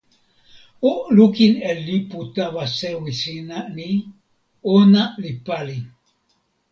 o lukin e lipu tawa sewi sina ni: ona li pali.